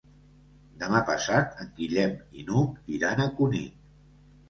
Demà passat en Guillem i n'Hug iran a Cunit.